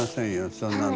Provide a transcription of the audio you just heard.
そんなの。